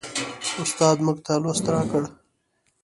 استاد موږ ته لوست راکړ.